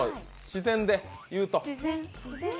自然で言うと。